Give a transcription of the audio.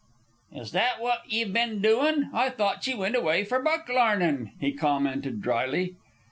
"Is that what ye've been doin'? I thought ye wint away for book larnin'," he commented, dryly.